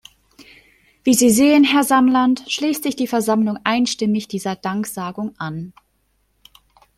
Wie Sie sehen, Herr Samland, schließt sich die Versammlung einstimmig dieser Danksagung an.